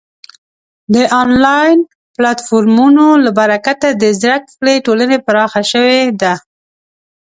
د آنلاین پلتفورمونو له برکته د زده کړې ټولنې پراخه شوې ده.